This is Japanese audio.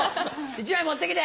１枚持って来て！